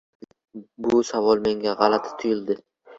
Bu savol menga g‘alati tuyuldi.